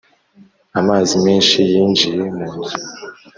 amazi menshi yinjiye mu nzu,